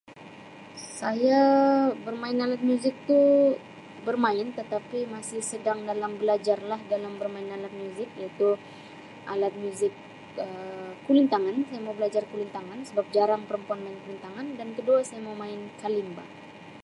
Saya bermain alat muzik tu bermain tetapi masih sedang dalam belajar lah dalam bermain alat muzik iaitu alat muzik Um kulintangan saya mau belajar kulintangan sebab jarang perempuan main kulintangan dan kedua saya mau main kalimba.